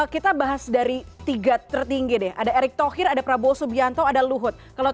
kita bahas dari tiga tertinggi deh ada erick thohir ada prabowo subianto ada luhut kalau